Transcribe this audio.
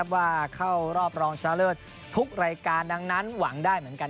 ว่าเข้ารอบรองชนะเลิศทุกรายการดังนั้นหวังได้เหมือนกัน